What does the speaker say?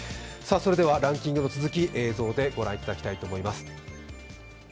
ランキングの続き、映像でご覧いただきたいと思います。